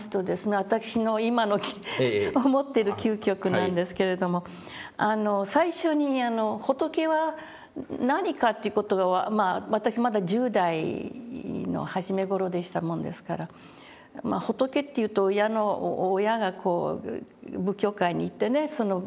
私の今の思ってる究極なんですけれども最初に「仏は何か」っていう事が私まだ１０代の初め頃でしたもんですから仏っていうと親がこう仏教会に行ってね金ピカの。